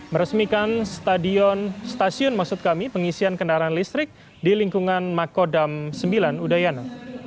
meresmikan stasiun maksud kami pengisian kendaraan listrik di lingkungan makodam sembilan udayana